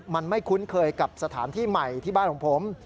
มันไม่คุ้นเคยกับสถานที่ใหม่ที่บ้านของผม